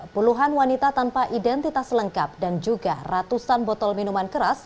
puluhan wanita tanpa identitas lengkap dan juga ratusan botol minuman keras